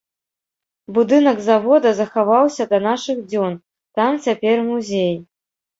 Будынак завода захаваўся да нашых дзён, там цяпер музей.